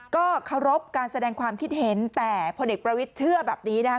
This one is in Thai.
ก็เคารพการแสดงความคิดเห็นแต่พลเอกประวิทย์เชื่อแบบนี้นะคะ